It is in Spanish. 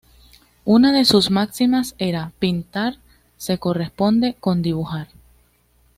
Una de sus máximas era: pintar se corresponde con dibujar.